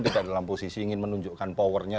tidak dalam posisi ingin menunjukkan powernya